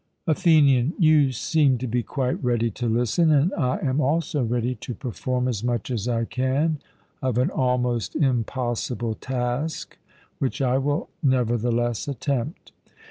ATHENIAN: You seem to be quite ready to listen; and I am also ready to perform as much as I can of an almost impossible task, which I will nevertheless attempt.